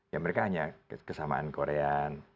ya mereka hanya kesamaan korean